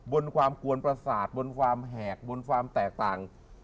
บนความกวนประสาทบนความแหกบนความแตกต่าง